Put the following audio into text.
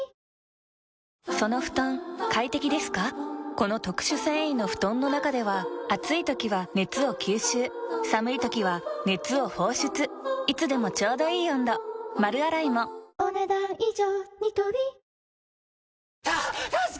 この特殊繊維の布団の中では暑い時は熱を吸収寒い時は熱を放出いつでもちょうどいい温度丸洗いもお、ねだん以上。